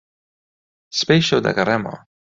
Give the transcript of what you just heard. سبەی شەو دەگەڕێمەوە.